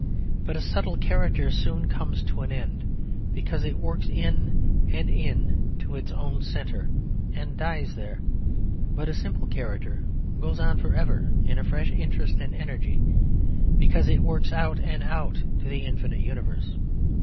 But a subtle character soon comes to an end, because it works in and in to its own centre and dies there. But a simple character goes on for ever in a fresh interest and energy, because it works out and out into the infinite universe.